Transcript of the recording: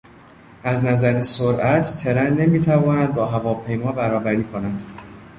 از نظر سرعت ترن نمیتواند با هواپیما برابری کند.